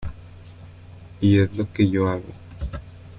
Y es lo que yo hago.